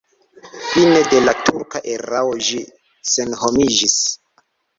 Fine de la turka erao ĝi senhomiĝis.